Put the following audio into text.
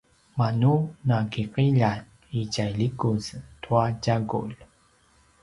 manu nakiqilja i tjai likuz tua tjagulj